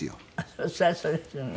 そりゃそうですよね。